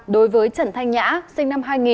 đối với trần thanh nhã sinh năm hai nghìn